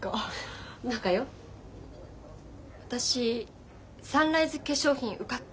私サンライズ化粧品受かった。